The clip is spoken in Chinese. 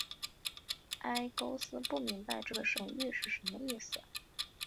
埃勾斯不明白这个神谕是什么意思。